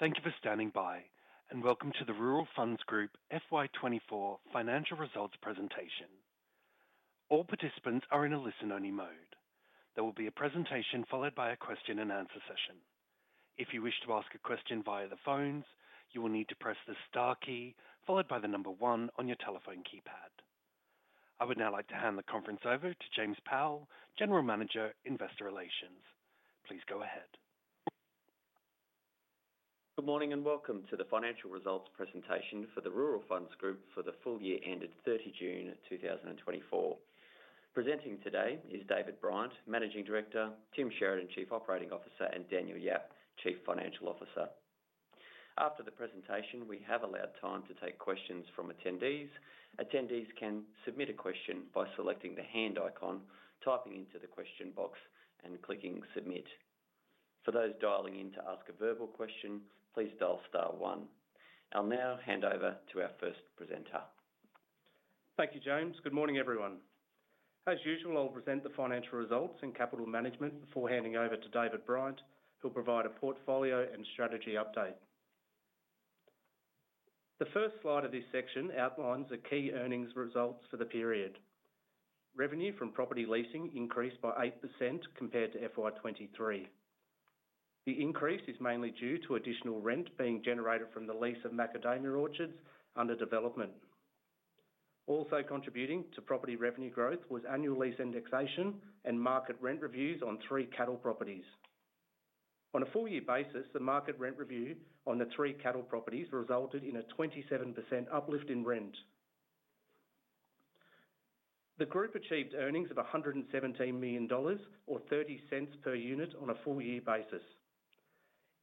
Thank you for standing by, and welcome to the Rural Funds Group FY 2024 financial results presentation. All participants are in a listen-only mode. There will be a presentation followed by a question-and-answer session. If you wish to ask a question via the phones, you will need to press the star key, followed by the number one on your telephone keypad. I would now like to hand the conference over to James Powell, General Manager, Investor Relations. Please go ahead. Good morning, and welcome to the financial results presentation for the Rural Funds Group for the full year ended 30 June, 2024. Presenting today is David Bryant, Managing Director, Tim Sheridan, Chief Operating Officer, and Daniel Yap, Chief Financial Officer. After the presentation, we have allowed time to take questions from attendees. Attendees can submit a question by selecting the hand icon, typing into the question box, and clicking Submit. For those dialing in to ask a verbal question, please dial star one. I'll now hand over to our first presenter. Thank you, James. Good morning, everyone. As usual, I'll present the financial results and capital management before handing over to David Bryant, who'll provide a portfolio and strategy update. The first slide of this section outlines the key earnings results for the period. Revenue from property leasing increased by 8% compared to FY 2023. The increase is mainly due to additional rent being generated from the lease of macadamia orchards under development. Also contributing to property revenue growth was annual lease indexation and market rent reviews on three cattle properties. On a full year basis, the market rent review on the three cattle properties resulted in a 27% uplift in rent. The group achieved earnings of 117 million dollars, or 30 cents per unit on a full year basis.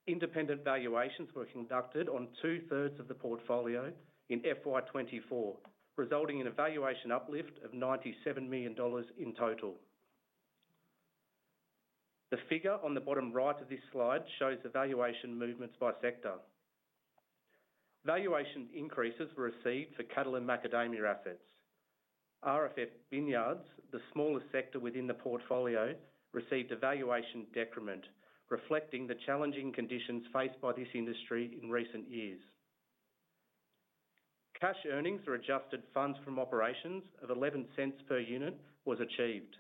Independent valuations were conducted on two-thirds of the portfolio in FY 2024, resulting in a valuation uplift of 97 million dollars in total. The figure on the bottom right of this slide shows the valuation movements by sector. Valuation increases were received for cattle and macadamia assets. RFF vineyards, the smallest sector within the portfolio, received a valuation decrement, reflecting the challenging conditions faced by this industry in recent years. Cash earnings or adjusted funds from operations of 0.11 per unit was achieved.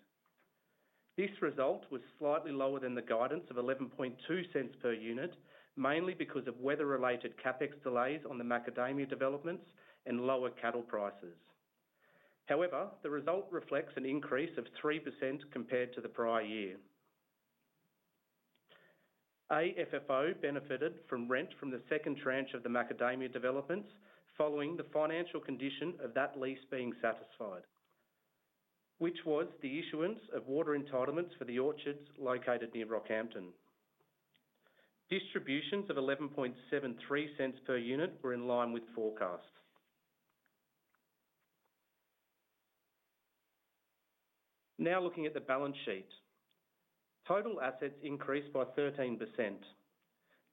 This result was slightly lower than the guidance of 0.112 per unit, mainly because of weather-related CapEx delays on the macadamia developments and lower cattle prices. However, the result reflects an increase of 3% compared to the prior year. AFFO benefited from rent from the second tranche of the macadamia developments following the financial condition of that lease being satisfied, which was the issuance of water entitlements for the orchards located near Rockhampton. Distributions of 0.1173 per unit were in line with forecasts. Now, looking at the balance sheet. Total assets increased by 13%.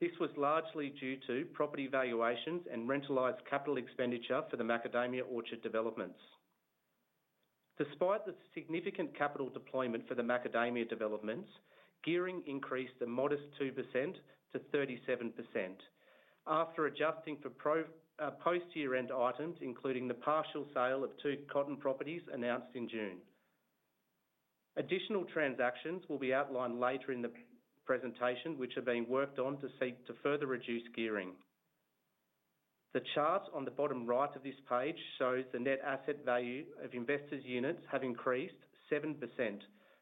This was largely due to property valuations and rentalized capital expenditure for the macadamia orchard developments. Despite the significant capital deployment for the macadamia developments, gearing increased a modest 2% to 37%. After adjusting for pro forma post-year-end items, including the partial sale of two cotton properties announced in June. Additional transactions will be outlined later in the presentation, which are being worked on to seek to further reduce gearing. The chart on the bottom right of this page shows the net asset value of investors' units have increased 7%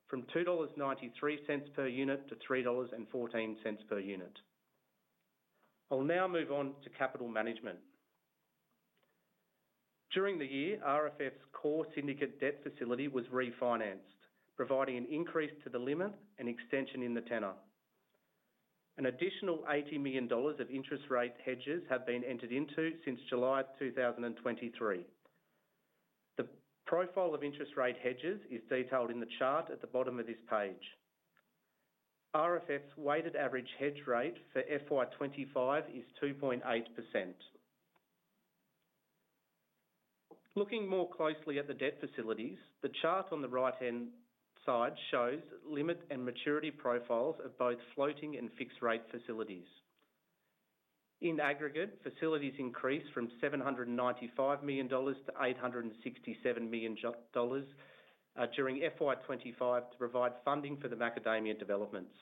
from 2.93 dollars per unit to 3.14 dollars per unit. I'll now move on to capital management. During the year, RFF's core syndicate debt facility was refinanced, providing an increase to the limit and extension in the tenor. An additional AUD 80 million of interest rate hedges have been entered into since July of 2023. The profile of interest rate hedges is detailed in the chart at the bottom of this page. RFF's weighted average hedge rate for FY2025 is 2.8%. Looking more closely at the debt facilities, the chart on the right-hand side shows limit and maturity profiles of both floating and fixed rate facilities. In aggregate, facilities increased from 795 million dollars to 867 million dollars during FY 2025, to provide funding for the macadamia developments.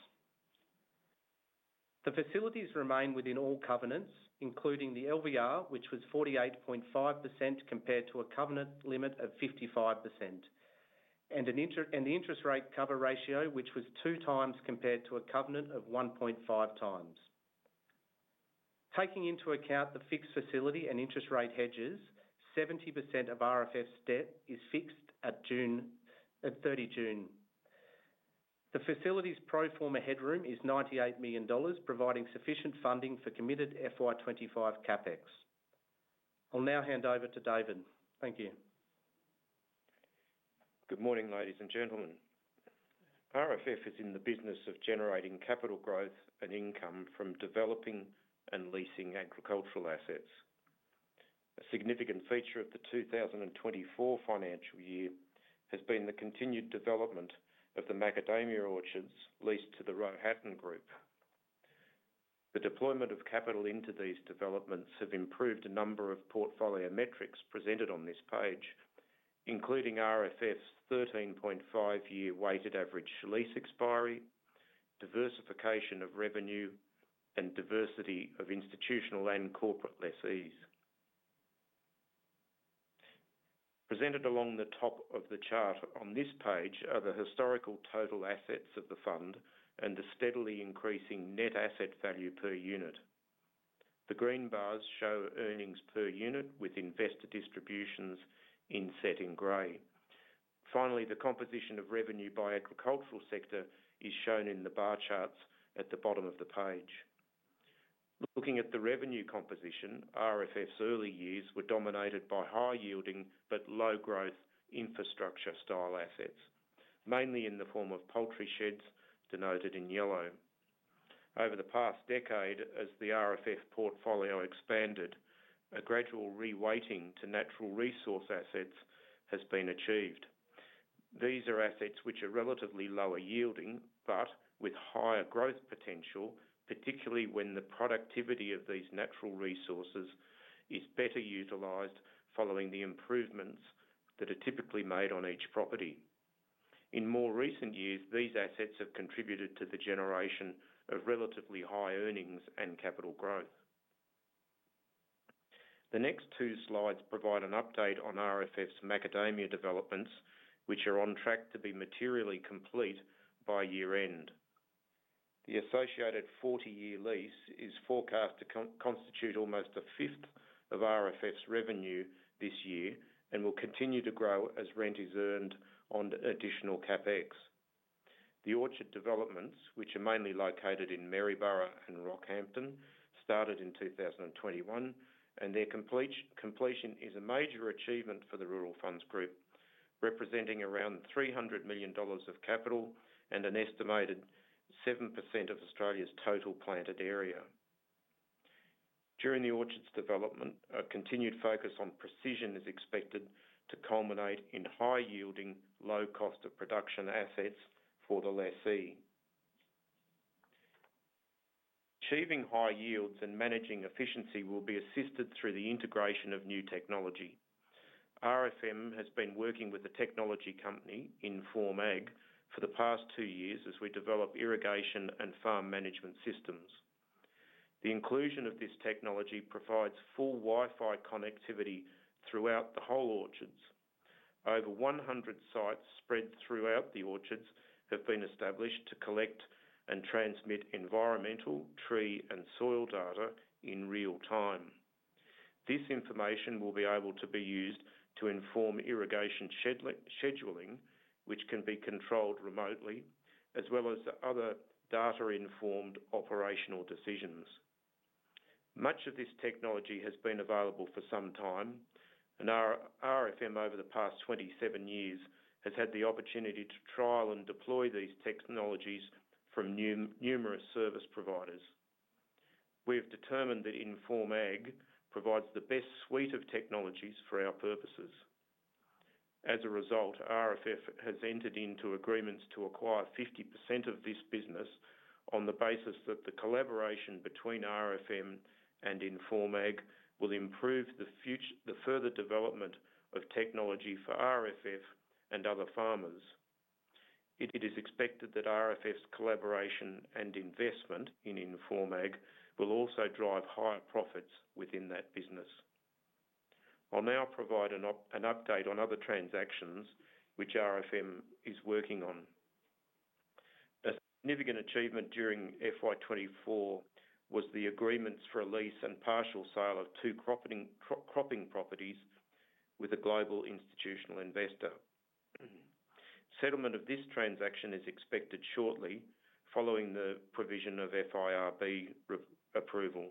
The facilities remain within all covenants, including the LVR, which was 48.5%, compared to a covenant limit of 55%, and the interest rate cover ratio, which was 2 times compared to a covenant of 1.5 times. Taking into account the fixed facility and interest rate hedges, 70% of RFF's debt is fixed at 30 June. The facility's pro forma headroom is 98 million dollars, providing sufficient funding for committed FY 2025 CapEx. I'll now hand over to David. Thank you. Good morning, ladies and gentlemen. RFF is in the business of generating capital growth and income from developing and leasing agricultural assets. A significant feature of the 2024 financial year has been the continued development of the macadamia orchards leased to the Rohatyn Group. The deployment of capital into these developments have improved a number of portfolio metrics presented on this page, including RFF's 13.5-year weighted average lease expiry, diversification of revenue, and diversity of institutional and corporate lessees. Presented along the top of the chart on this page are the historical total assets of the fund and the steadily increasing net asset value per unit. The green bars show earnings per unit, with investor distributions inset in gray. Finally, the composition of revenue by agricultural sector is shown in the bar charts at the bottom of the page. Looking at the revenue composition, RFF's early years were dominated by high-yielding but low-growth infrastructure style assets, mainly in the form of poultry sheds, denoted in yellow. Over the past decade, as the RFF portfolio expanded, a gradual reweighting to natural resource assets has been achieved. These are assets which are relatively lower yielding, but with higher growth potential, particularly when the productivity of these natural resources is better utilized following the improvements that are typically made on each property. In more recent years, these assets have contributed to the generation of relatively high earnings and capital growth. The next two slides provide an update on RFF's macadamia developments, which are on track to be materially complete by year-end. The associated forty-year lease is forecast to constitute almost a fifth of RFF's revenue this year and will continue to grow as rent is earned on additional CapEx. The orchard developments, which are mainly located in Maryborough and Rockhampton, started in 2021, and their completion is a major achievement for the Rural Funds Group, representing around 300 million dollars of capital and an estimated 7% of Australia's total planted area. During the orchards development, a continued focus on precision is expected to culminate in high-yielding, low-cost of production assets for the lessee. Achieving high yields and managing efficiency will be assisted through the integration of new technology. RFM has been working with a technology company, Inform Ag, for the past two years as we develop irrigation and farm management systems. The inclusion of this technology provides full Wi-Fi connectivity throughout the whole orchards. Over 100 sites spread throughout the orchards have been established to collect and transmit environmental, tree, and soil data in real time. This information will be able to be used to inform irrigation scheduling, which can be controlled remotely, as well as other data-informed operational decisions. Much of this technology has been available for some time, and our RFM, over the past 27 years, has had the opportunity to trial and deploy these technologies from numerous service providers. We have determined that Inform Ag provides the best suite of technologies for our purposes. As a result, RFF has entered into agreements to acquire 50% of this business on the basis that the collaboration between RFM and Inform Ag will improve the further development of technology for RFF and other farmers. It is expected that RFF's collaboration and investment in Inform Ag will also drive higher profits within that business. I'll now provide an update on other transactions which RFM is working on. A significant achievement during FY 2024 was the agreements for a lease and partial sale of two cropping properties with a global institutional investor. Settlement of this transaction is expected shortly following the provision of FIRB approval.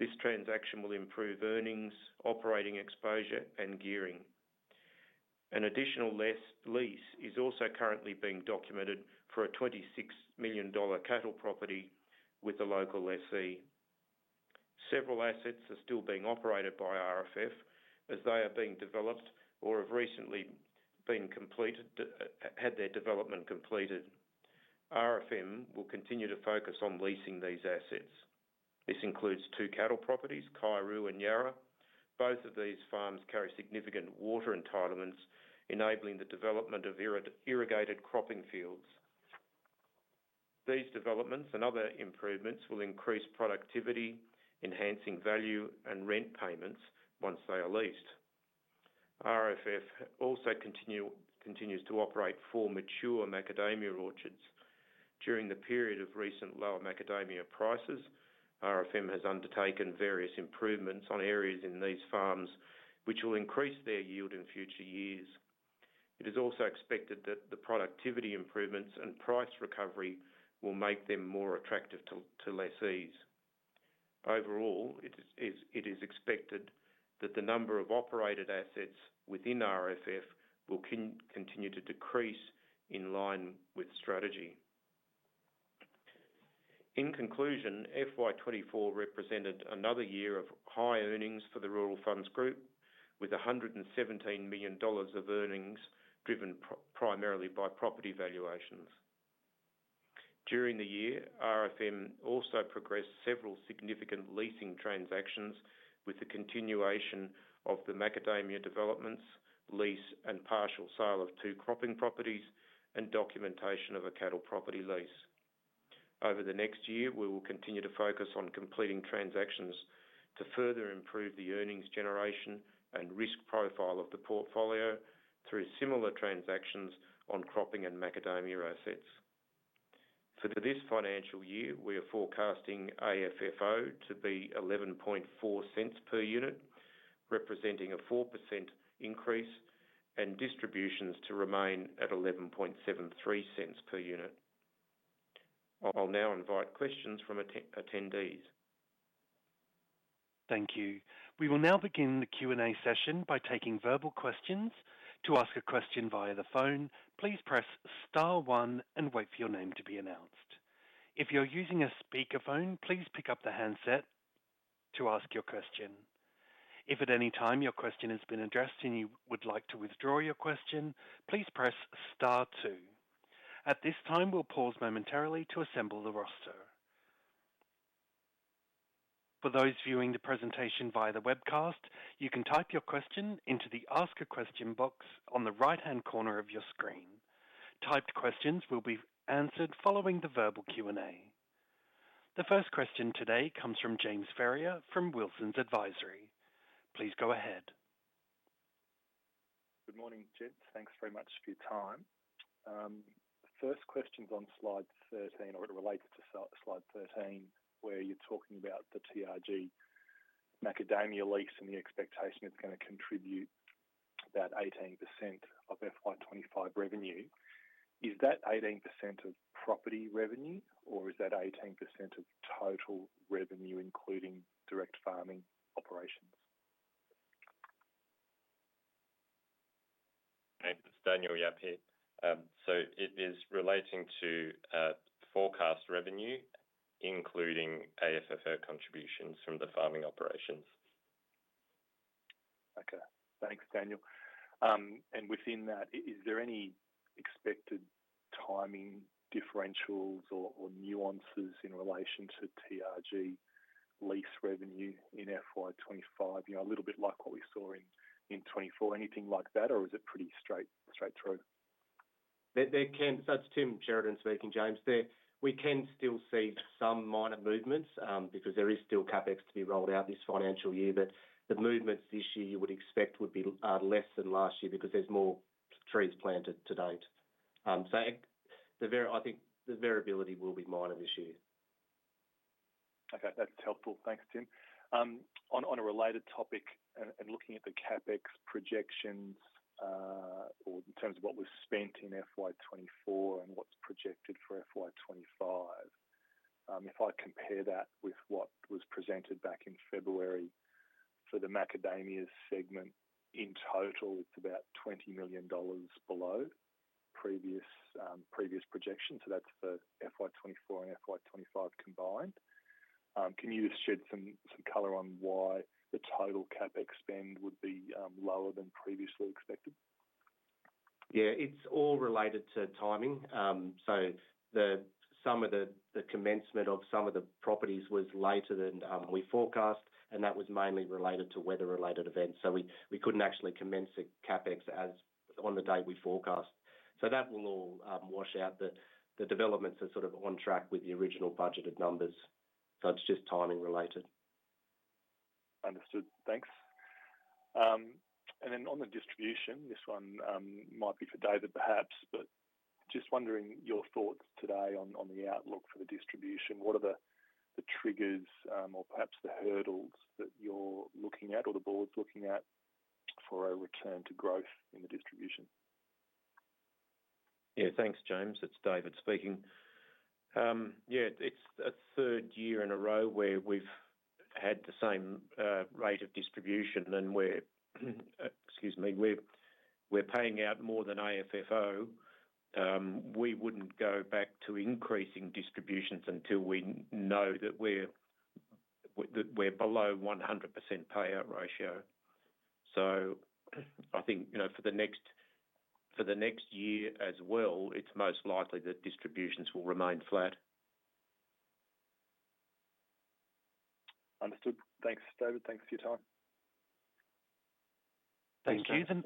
This transaction will improve earnings, operating exposure, and gearing. An additional lease is also currently being documented for a 26 million dollar cattle property with a local lessee. Several assets are still being operated by RFF as they are being developed or have recently been completed, had their development completed. RFM will continue to focus on leasing these assets. This includes two cattle properties, Kaiuroo and Yarra. Both of these farms carry significant water entitlements, enabling the development of irrigated cropping fields. These developments and other improvements will increase productivity, enhancing value and rent payments once they are leased. RFF continues to operate four mature macadamia orchards. During the period of recent lower macadamia prices, RFM has undertaken various improvements on areas in these farms, which will increase their yield in future years. It is also expected that the productivity improvements and price recovery will make them more attractive to lessees. Overall, it is expected that the number of operated assets within RFF will continue to decrease in line with strategy. In conclusion, FY 2024 represented another year of high earnings for the Rural Funds Group, with 117 million dollars of earnings, driven primarily by property valuations. During the year, RFM also progressed several significant leasing transactions, with the continuation of the macadamia developments, lease and partial sale of two cropping properties, and documentation of a cattle property lease. Over the next year, we will continue to focus on completing transactions to further improve the earnings generation and risk profile of the portfolio through similar transactions on cropping and macadamia assets. For this financial year, we are forecasting AFFO to be 0.114 per unit, representing a 4% increase, and distributions to remain at 0.1173 per unit. I'll now invite questions from attendees. Thank you. We will now begin the Q&A session by taking verbal questions. To ask a question via the phone, please press star one and wait for your name to be announced. If you're using a speakerphone, please pick up the handset to ask your question. If at any time your question has been addressed and you would like to withdraw your question, please press star two. At this time, we'll pause momentarily to assemble the roster. For those viewing the presentation via the webcast, you can type your question into the Ask a Question box on the right-hand corner of your screen. Typed questions will be answered following the verbal Q&A. The first question today comes from James Ferrier from Wilsons Advisory. Please go ahead. Good morning, gents. Thanks very much for your time. First question's on slide 13, or related to slide 13, where you're talking about the TRG macadamia lease and the expectation it's gonna contribute about 18% of FY 2025 revenue. Is that 18% of property revenue, or is that 18% of total revenue, including direct farming operations? Hey, it's Daniel Yap here. So it is relating to forecast revenue, including AFFO contributions from the farming operations. Okay. Thanks, Daniel. And within that, is there any expected timing differentials or nuances in relation to TRG lease revenue in FY 2025? You know, a little bit like what we saw in 2024. Anything like that, or is it pretty straight through? So it's Tim Sheridan speaking, James. There, we can still see some minor movements, because there is still CapEx to be rolled out this financial year. But the movements this year you would expect would be less than last year because there's more trees planted to date. So the variability will be minor this year. Okay, that's helpful. Thanks, Tim. On a related topic and looking at the CapEx projections, or in terms of what was spent in FY 2024 and what's projected for FY 2025, if I compare that with what was presented back in February for the macadamias segment, in total, it's about 20 million dollars below previous projections, so that's the FY 2024 and FY 2025 combined. Can you shed some color on why the total CapEx spend would be lower than previously expected? Yeah, it's all related to timing. So the commencement of some of the properties was later than we forecast, and that was mainly related to weather-related events. So we couldn't actually commence the CapEx as on the date we forecast. So that will all wash out. The developments are sort of on track with the original budgeted numbers, so it's just timing related. Understood. Thanks. And then on the distribution, this one might be for David perhaps, but just wondering your thoughts today on the outlook for the distribution. What are the triggers or perhaps the hurdles that you're looking at or the board's looking at for a return to growth in the distribution? Yeah, thanks, James. It's David speaking. Yeah, it's a third year in a row where we've had the same rate of distribution, and we're paying out more than AFFO. We wouldn't go back to increasing distributions until we know that we're below 100% payout ratio. So I think, you know, for the next year as well, it's most likely that distributions will remain flat. Understood. Thanks, David. Thanks for your time. Thank you. Then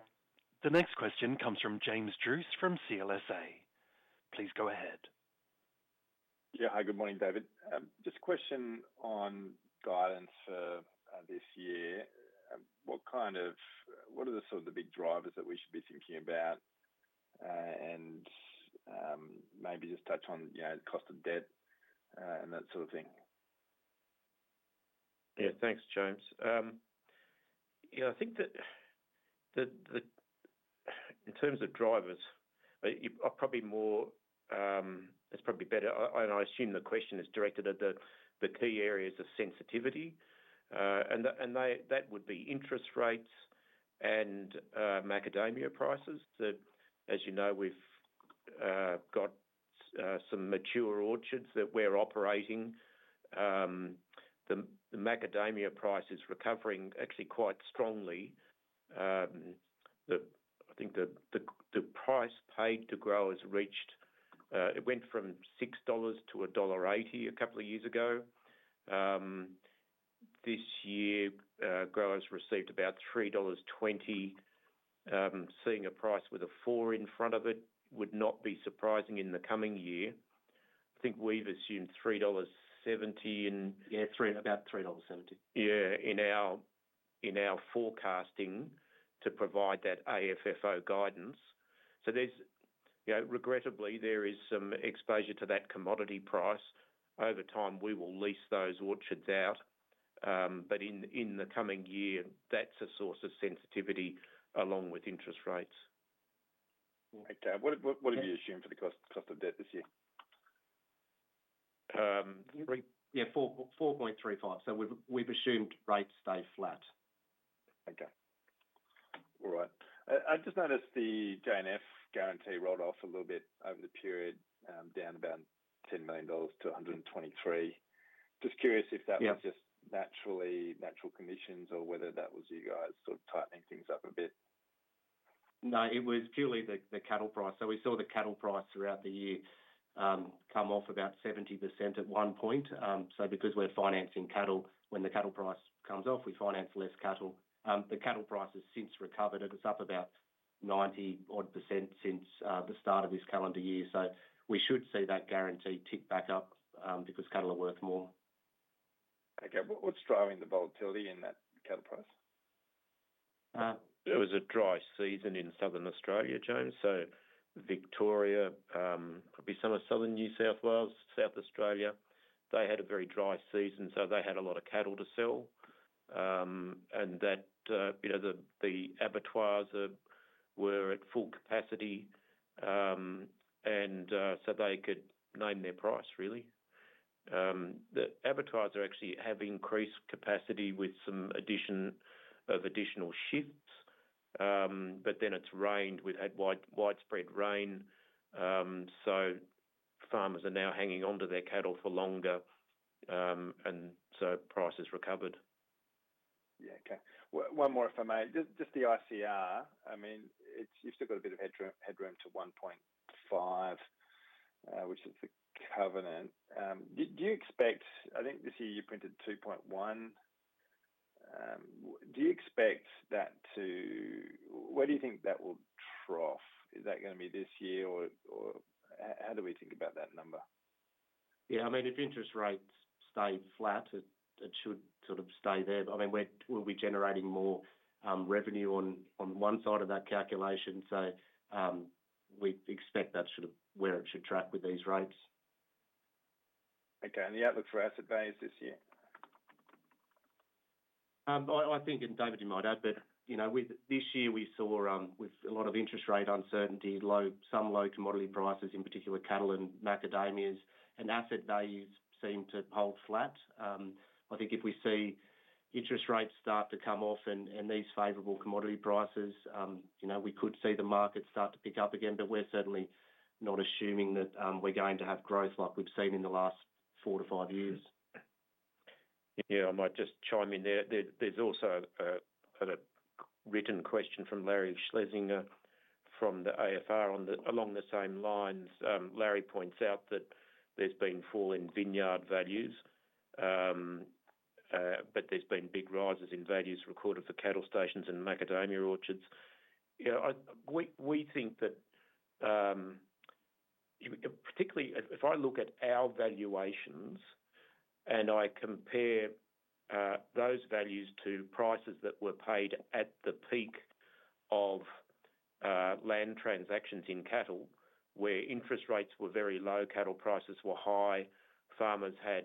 the next question comes from James Druce from CLSA. Please go ahead. Yeah. Hi, good morning, David. Just a question on guidance for this year. What are the sort of big drivers that we should be thinking about? And maybe just touch on, you know, the cost of debt and that sort of thing. Yeah. Thanks, James. Yeah, I think that, the. In terms of drivers, I'm probably more, it's probably better, I, and I assume the question is directed at the key areas of sensitivity, and they, that would be interest rates and macadamia prices that, as you know, we've got some mature orchards that we're operating. The macadamia price is recovering actually quite strongly. I think the price paid to growers reached, it went from 6 dollars to dollar 1.80 a couple of years ago. This year, growers received about 3.20 dollars. Seeing a price with a four in front of it would not be surprising in the coming year. I think we've assumed 3.70 dollars in- Yeah, three, about 3.70 dollars. Yeah, in our forecasting to provide that AFFO guidance. So there's, you know, regrettably, there is some exposure to that commodity price. Over time, we will lease those orchards out, but in the coming year, that's a source of sensitivity along with interest rates. Okay. What have you assumed for the cost of debt this year? Um- Three... Yeah, four, four point three five. So we've assumed rates stay flat. Okay. All right. I just noticed the J&F guarantee rolled off a little bit over the period, down about 10 million dollars to 123. Just curious if that- Yeah... was just natural conditions or whether that was you guys sort of tightening things up a bit. No, it was purely the cattle price. So we saw the cattle price throughout the year come off about 70% at one point. So because we're financing cattle, when the cattle price comes off, we finance less cattle. The cattle price has since recovered, it is up about 90-odd% since the start of this calendar year, so we should see that guarantee tick back up, because cattle are worth more. Okay. What, what's driving the volatility in that cattle price? It was a dry season in Southern Australia, James, so Victoria, probably some of southern New South Wales, South Australia. They had a very dry season, so they had a lot of cattle to sell, and that, you know, the abattoirs were at full capacity, and so they could name their price, really. The abattoirs actually have increased capacity with some addition of additional shifts, but then it's rained. We've had widespread rain, so farmers are now hanging on to their cattle for longer, and so prices recovered. Yeah, okay. One more, if I may. Just the ICR. I mean, it's. You've still got a bit of headroom to one point five, which is the covenant. Do you expect. I think this year you printed two point one. Do you expect that to. Where do you think that will trough? Is that gonna be this year, or how do we think about that number? Yeah, I mean, if interest rates stay flat, it should sort of stay there. I mean, we'll be generating more revenue on one side of that calculation, so we expect that's sort of where it should track with these rates. Okay, and the outlook for asset values this year? I think, and David, you might add, but you know, with this year, we saw with a lot of interest rate uncertainty, some low commodity prices, in particular, cattle and macadamias, and asset values seem to hold flat. I think if we see interest rates start to come off and these favorable commodity prices, you know, we could see the market start to pick up again, but we're certainly not assuming that we're going to have growth like we've seen in the last four to five years. Yeah, I might just chime in there. There's also a written question from Larry Schlesinger from the AFR along the same lines. Larry points out that there's been fall in vineyard values, but there's been big rises in values recorded for cattle stations and macadamia orchards. You know, we think that, particularly if I look at our valuations, and I compare those values to prices that were paid at the peak of land transactions in cattle, where interest rates were very low, cattle prices were high, farmers had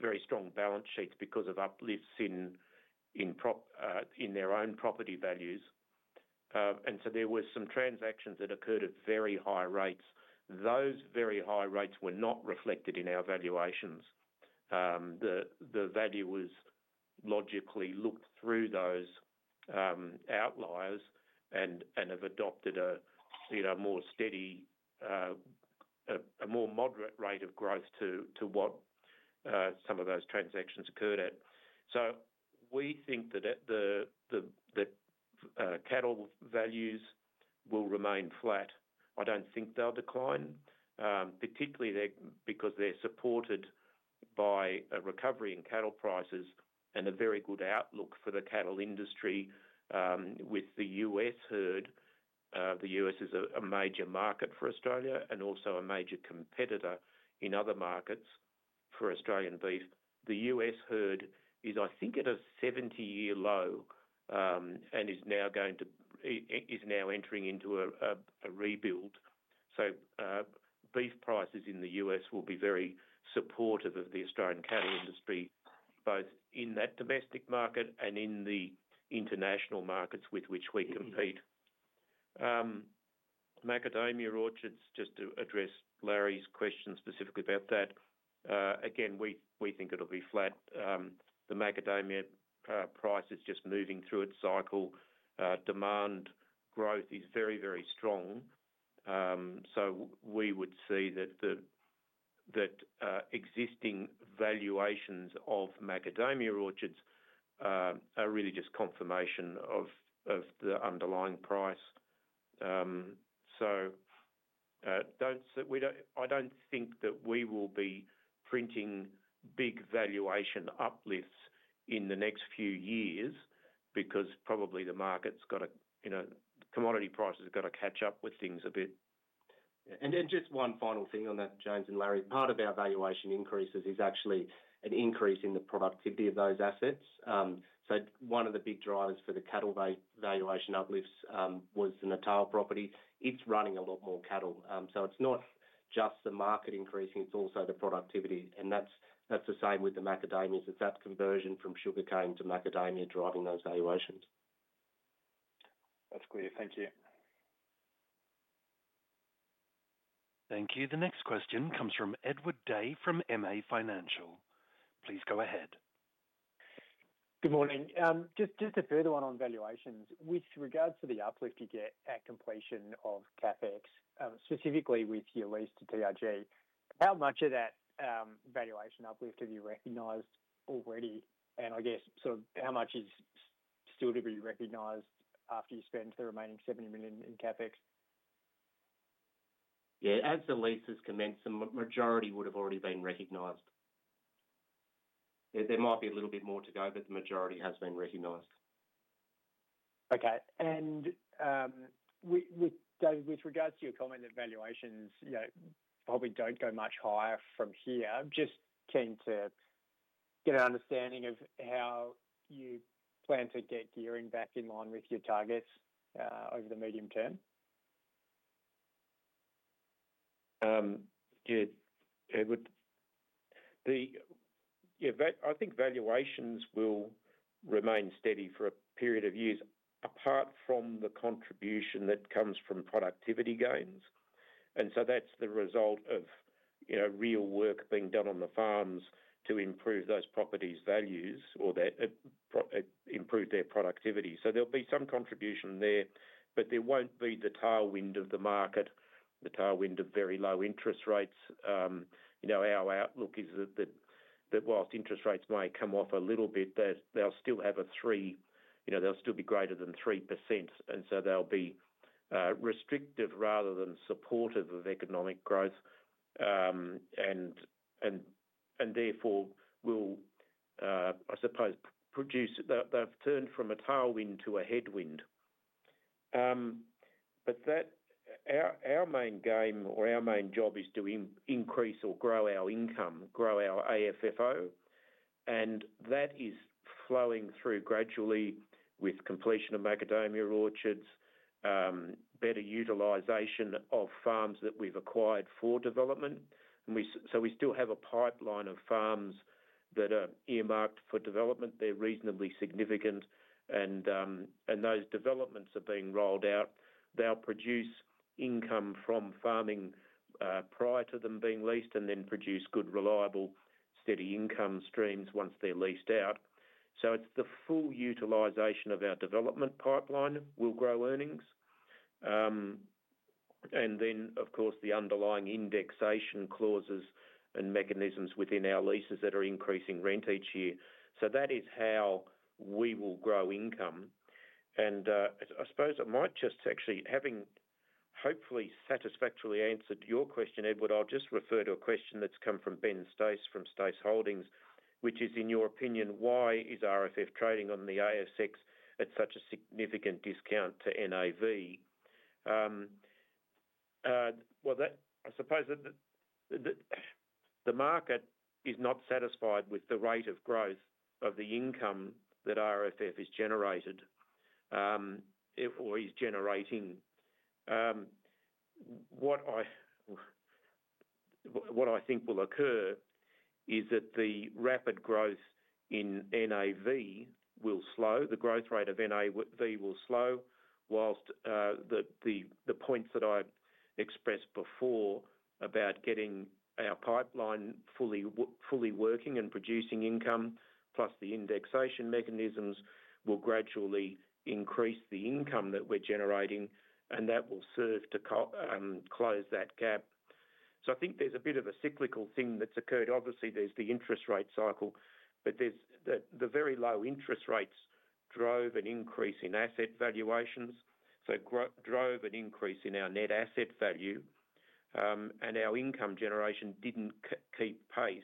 very strong balance sheets because of uplifts in their own property values. And so there were some transactions that occurred at very high rates. Those very high rates were not reflected in our valuations. The valuers logically looked through those outliers and have adopted a you know more steady a more moderate rate of growth to what some of those transactions occurred at. So we think that the cattle values will remain flat. I don't think they'll decline particularly there because they're supported by a recovery in cattle prices and a very good outlook for the cattle industry with the US herd. The US is a major market for Australia and also a major competitor in other markets for Australian beef. The US herd is, I think, at a seventy-year low and it is now entering into a rebuild. Beef prices in the US will be very supportive of the Australian cattle industry, both in that domestic market and in the international markets with which we compete. Macadamia orchards, just to address Larry's question specifically about that, again, we think it'll be flat. The macadamia price is just moving through its cycle. Demand growth is very, very strong. So we would see that the existing valuations of macadamia orchards are really just confirmation of the underlying price. So, I don't think that we will be printing big valuation uplifts in the next few years, because probably the market's gotta, you know, commodity prices have got to catch up with things a bit. And then just one final thing on that, James and Larry, part of our valuation increases is actually an increase in the productivity of those assets. So one of the big drivers for the cattle valuation uplifts was the Natal property. It's running a lot more cattle. So it's not just the market increasing, it's also the productivity, and that's the same with the macadamias. It's that conversion from sugarcane to macadamia driving those valuations. That's clear. Thank you. Thank you. The next question comes from Edward Day, from MA Financial. Please go ahead. Good morning. Just a further one on valuations. With regards to the uplift you get at completion of CapEx, specifically with your lease to TRG, how much of that valuation uplift have you recognized already? And I guess, so how much is still to be recognized after you spend the remaining 70 million in CapEx? Yeah, as the leases commence, the majority would have already been recognized. There might be a little bit more to go, but the majority has been recognized. Okay. And with David, with regards to your comment that valuations, you know, probably don't go much higher from here, I'm just keen to get an understanding of how you plan to get gearing back in line with your targets over the medium term. Yeah, Edward. Yeah, valuations will remain steady for a period of years, apart from the contribution that comes from productivity gains. And so that's the result of, you know, real work being done on the farms to improve those properties' values or their, improve their productivity. So there'll be some contribution there, but there won't be the tailwind of the market, the tailwind of very low interest rates. You know, our outlook is that, that whilst interest rates may come off a little bit, that they'll still have a three, you know, they'll still be greater than 3%, and so they'll be restrictive rather than supportive of economic growth. And, and therefore, will, I suppose, produce. They'll, they've turned from a tailwind to a headwind. But that, our main game or our main job is to increase or grow our income, grow our AFFO, and that is flowing through gradually with completion of macadamia orchards, better utilization of farms that we've acquired for development. And we so we still have a pipeline of farms that are earmarked for development. They're reasonably significant, and those developments are being rolled out. They'll produce income from farming, prior to them being leased, and then produce good, reliable, steady income streams once they're leased out. So it's the full utilization of our development pipeline will grow earnings. And then, of course, the underlying indexation clauses and mechanisms within our leases that are increasing rent each year. So that is how we will grow income. I suppose I might just actually, having hopefully satisfactorily answered your question, Edward, I'll just refer to a question that's come from Ben Stace, from Stace Holdings, which is: In your opinion, why is RFF trading on the ASX at such a significant discount to NAV? Well, that, I suppose the market is not satisfied with the rate of growth of the income that RFF has generated, or is generating. What I think will occur is that the rapid growth in NAV will slow, the growth rate of NAV will slow, whilst the points that I expressed before about getting our pipeline fully working and producing income, plus the indexation mechanisms, will gradually increase the income that we're generating, and that will serve to close that gap. So I think there's a bit of a cyclical thing that's occurred. Obviously, there's the interest rate cycle, but there's the very low interest rates drove an increase in asset valuations, so drove an increase in our net asset value, and our income generation didn't keep pace.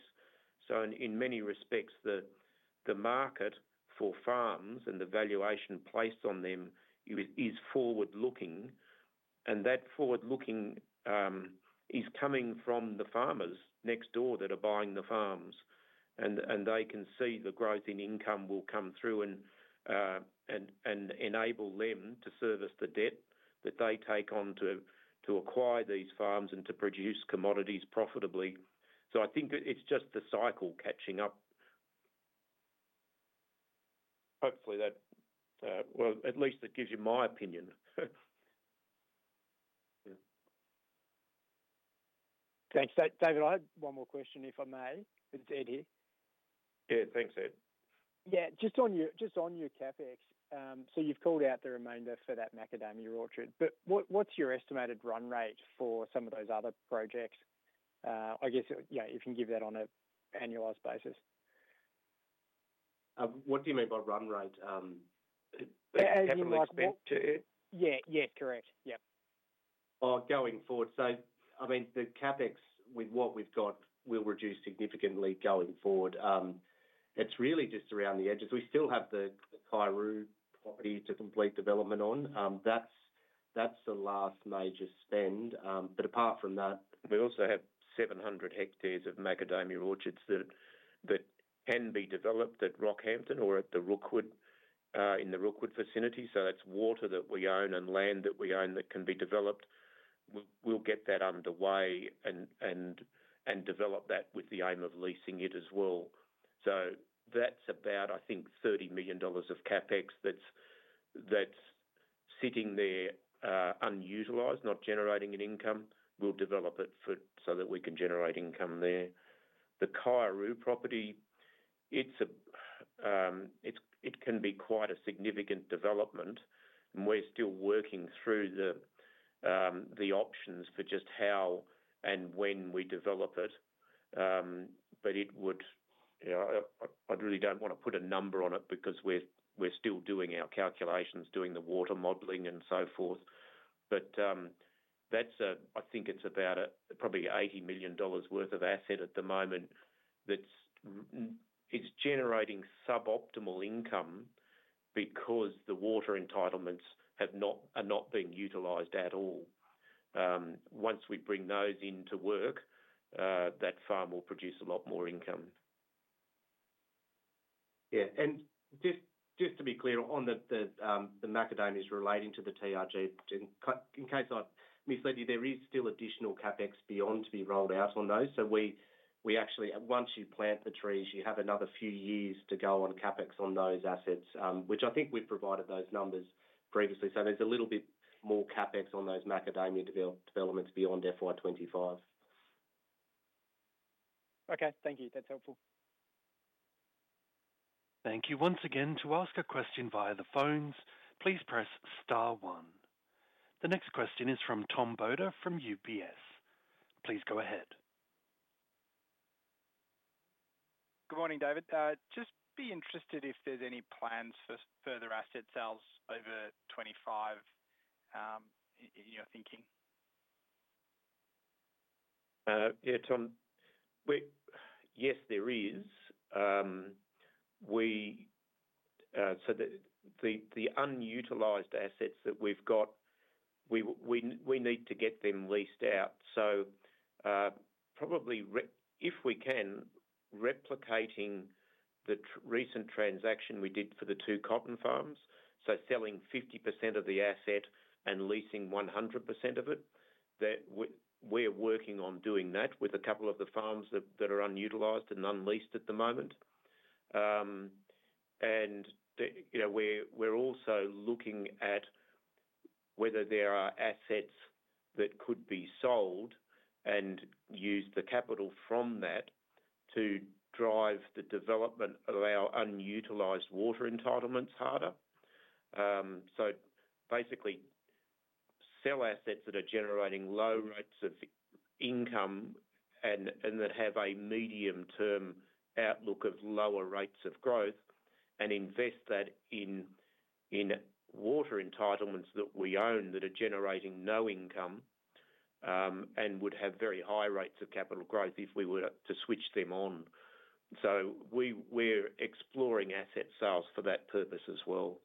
So in many respects, the market for farms and the valuation placed on them is forward-looking, and that forward-looking is coming from the farmers next door that are buying the farms, and they can see the growth in income will come through and enable them to service the debt that they take on to acquire these farms and to produce commodities profitably. So I think it's just the cycle catching up. Hopefully that, well, at least it gives you my opinion. Yeah. Thanks. David, I had one more question, if I may. It's Ed here. Yeah, thanks, Ed. Yeah, just on your CapEx. So you've called out the remainder for that macadamia orchard, but what's your estimated run rate for some of those other projects? I guess, yeah, if you can give that on an annualized basis. What do you mean by run rate? Capital spent- Yeah, yeah. Correct. Yep. Going forward? I mean, the CapEx with what we've got will reduce significantly going forward. It's really just around the edges. We still have the Kaiuroo property to complete development on. That's the last major spend. But apart from that- We also have seven hundred hectares of macadamia orchards that can be developed at Rockhampton or at the Rookwood in the Rookwood vicinity. So that's water that we own and land that we own that can be developed. We'll get that underway and develop that with the aim of leasing it as well. So that's about, I think, 30 million dollars of CapEx that's sitting there unutilized, not generating an income. We'll develop it so that we can generate income there. The Kaiuroo property, it's a it can be quite a significant development, and we're still working through the options for just how and when we develop it. But I really don't want to put a number on it because we're still doing our calculations, doing the water modeling, and so forth. But I think it's about probably 80 million dollars worth of asset at the moment. It's generating suboptimal income because the water entitlements are not being utilized at all. Once we bring those into work, that farm will produce a lot more income. Yeah, and just to be clear on the macadamias relating to the TRG, in case I've misled you, there is still additional CapEx beyond to be rolled out on those. So we actually. Once you plant the trees, you have another few years to go on CapEx on those assets, which I think we've provided those numbers previously. So there's a little bit more CapEx on those macadamia developments beyond FY 2025. Okay, thank you. That's helpful. Thank you once again. To ask a question via the phones, please press star one. The next question is from Tom Bodor from UBS. Please go ahead. Good morning, David. Just be interested if there's any plans for further asset sales over 25 in your thinking? Yeah, Tom. Yes, there is. So the unutilized assets that we've got, we need to get them leased out. So probably, if we can, replicating the recent transaction we did for the two cotton farms, so selling 50% of the asset and leasing 100% of it, we're working on doing that with a couple of the farms that are unutilized and unleased at the moment. You know, we're also looking at whether there are assets that could be sold and use the capital from that to drive the development of our unutilized water entitlements harder. Basically, sell assets that are generating low rates of income and that have a medium-term outlook of lower rates of growth, and invest that in water entitlements that we own that are generating no income, and would have very high rates of capital growth if we were to switch them on, so we're exploring asset sales for that purpose as well.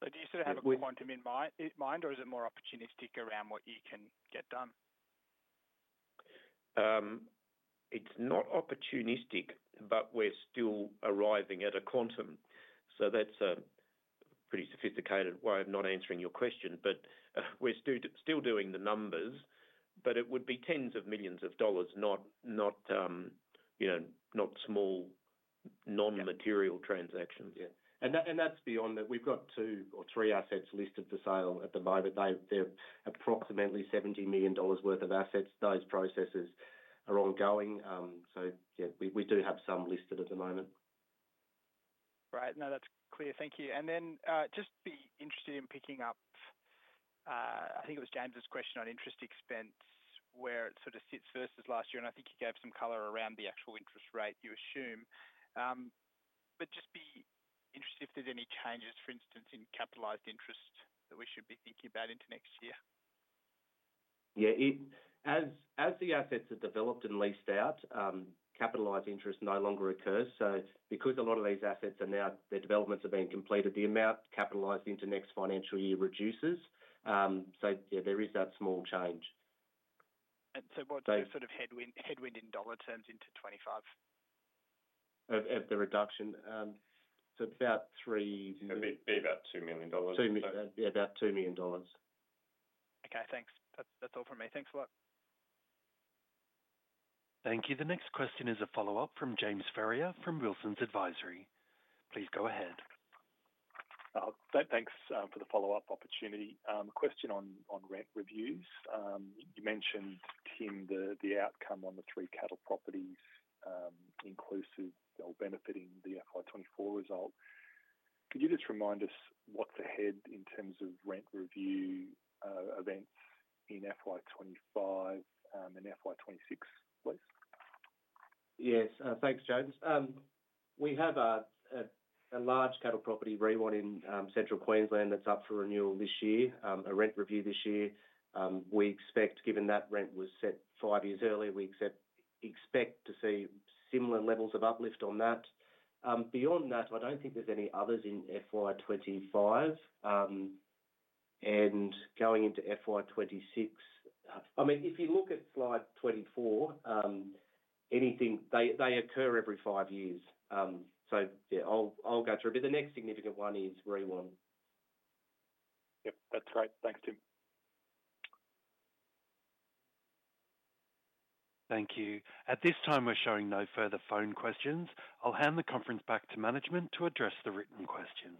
But do you sort of have a quantum in mind, or is it more opportunistic around what you can get done? It's not opportunistic, but we're still arriving at a quantum. So that's a pretty sophisticated way of not answering your question, but we're still doing the numbers. But it would be tens of millions of dollars, not you know, not small, non-material transactions. Yeah. And that, and that's beyond that. We've got two or three assets listed for sale at the moment. They're approximately 70 million dollars worth of assets. Those processes are ongoing. So yeah, we do have some listed at the moment. Right. No, that's clear. Thank you. And then, just be interested in picking up, I think it was James' question on interest expense, where it sort of sits versus last year, and I think he gave some color around the actual interest rate you assume. But just be interested if there's any changes, for instance, in capitalized interest that we should be thinking about into next year. Yeah, as the assets are developed and leased out, capitalized interest no longer occurs. So because a lot of these assets are now, their developments are being completed, the amount capitalized into next financial year reduces. So yeah, there is that small change. What's the sort of headwind in dollar terms into 2025? Of the reduction? So about three- It'd be about 2 million dollars. Yeah, about 2 million dollars. Okay, thanks. That's, that's all from me. Thanks a lot. Thank you. The next question is a follow-up from James Ferrier from Wilsons Advisory. Please go ahead. Thanks for the follow-up opportunity. Question on rent reviews. You mentioned, Tim, the outcome on the three cattle properties, inclusive or benefiting the FY 2024 result. Could you just remind us what's ahead in terms of rent review events in FY 2025 and FY 2026, please? Yes. Thanks, James. We have a large cattle property, Rewan, in Central Queensland, that's up for renewal this year, a rent review this year. We expect, given that rent was set five years earlier, we expect to see similar levels of uplift on that. Beyond that, I don't think there's any others in FY 2025. And going into FY 2026. I mean, if you look at slide 24, anything, they occur every five years. So yeah, I'll go through. But the next significant one is Rewan. Yep, that's great. Thanks, Tim. Thank you. At this time, we're showing no further phone questions. I'll hand the conference back to management to address the written questions.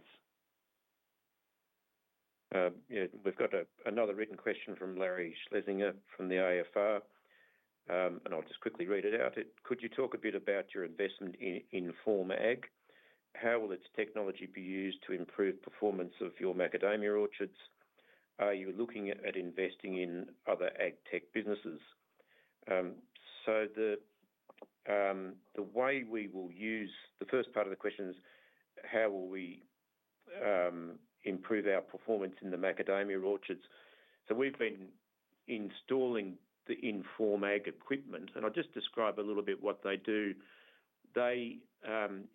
Yeah, we've got another written question from Larry Schlesinger from the AFR. I'll just quickly read it out. It... Could you talk a bit about your investment in, in Inform Ag? How will its technology be used to improve performance of your macadamia orchards? Are you looking at, at investing in other ag tech businesses? The way we will use... The first part of the question is, how will we improve our performance in the macadamia orchards? We've been installing the Inform Ag equipment, and I'll just describe a little bit what they do. They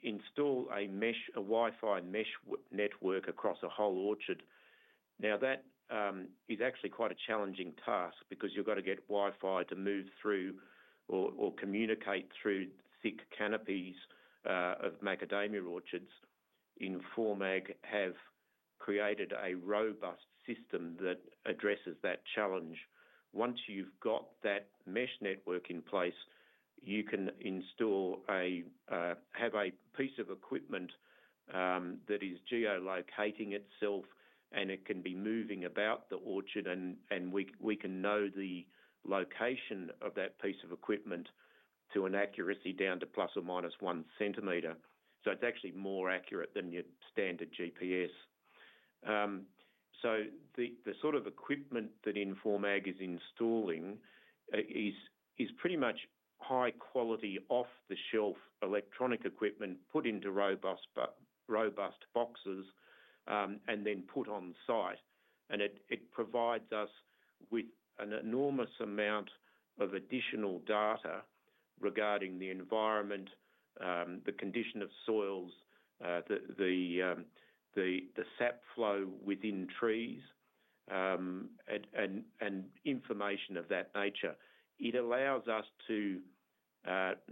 install a mesh, a Wi-Fi mesh network across a whole orchard. That is actually quite a challenging task because you've got to get Wi-Fi to move through or communicate through thick canopies of macadamia orchards. Inform Ag have created a robust system that addresses that challenge. Once you've got that mesh network in place, you can have a piece of equipment that is geo-locating itself, and it can be moving about the orchard, and we can know the location of that piece of equipment to an accuracy down to plus or minus one centimeter. So it's actually more accurate than your standard GPS. So the sort of equipment that Inform Ag is installing is pretty much high quality, off-the-shelf electronic equipment put into robust boxes, and then put on site. And it provides us with an enormous amount of additional data regarding the environment, the condition of soils, the sap flow within trees, and information of that nature. It allows us to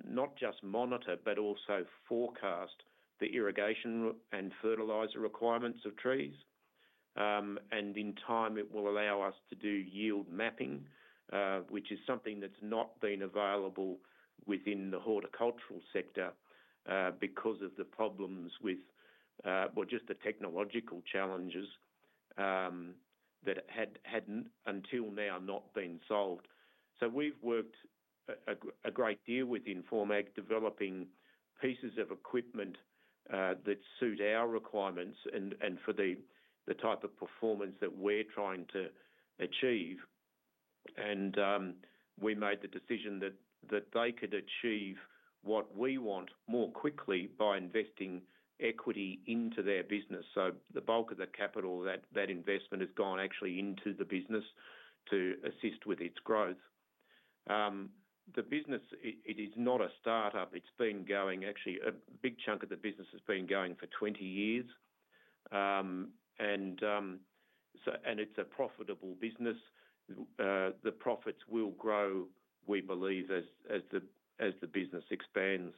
not just monitor, but also forecast the irrigation and fertilizer requirements of trees. And in time, it will allow us to do yield mapping, which is something that's not been available within the horticultural sector, because of the problems with, well, just the technological challenges, that had until now, not been solved. So we've worked a great deal with Inform Ag, developing pieces of equipment, that suit our requirements and for the type of performance that we're trying to achieve. And we made the decision that they could achieve what we want more quickly by investing equity into their business. So the bulk of the capital, that investment has gone actually into the business to assist with its growth. The business, it is not a start-up. It's been going... Actually, a big chunk of the business has been going for twenty years. It's a profitable business. The profits will grow, we believe, as the business expands.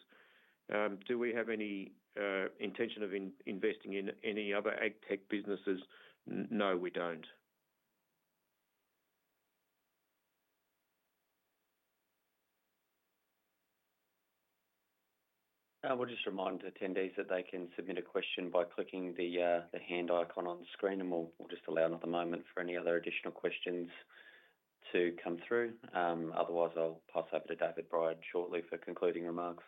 Do we have any intention of investing in any other ag tech businesses? No, we don't. We'll just remind the attendees that they can submit a question by clicking the hand icon on the screen, and we'll just allow another moment for any other additional questions to come through. Otherwise, I'll pass over to David Bryant shortly for concluding remarks.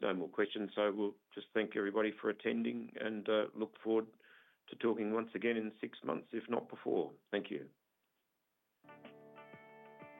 There's no more questions, so we'll just thank everybody for attending, and look forward to talking once again in six months, if not before. Thank you.